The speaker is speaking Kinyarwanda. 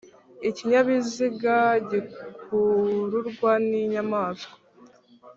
ikinyabiziga gikururwa n inyamaswa